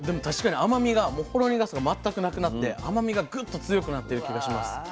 確かに甘みがもうほろ苦さが全くなくなって甘みがぐっと強くなってる気がします。